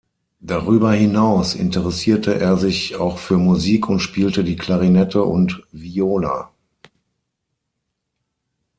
Darüber hinaus interessierte er sich auch für Musik und spielte die Klarinette und Viola.